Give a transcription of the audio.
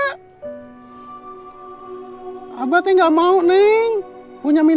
saya mau pergi ke rumah